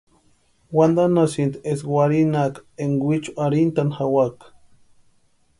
Wantanhasïnti eska warhinhaka énka wichu arhintani jawaka.